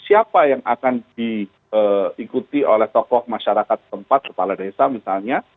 siapa yang akan diikuti oleh tokoh masyarakat tempat kepala desa misalnya